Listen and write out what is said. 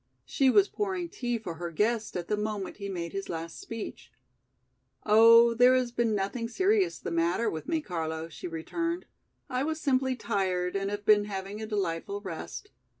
She was pouring tea for her guest at the moment he made his last speech. "Oh, there has been nothing serious the matter with me, Carlo," she returned. "I was simply tired and have been having a delightful rest.